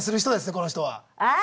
この人は。あっ！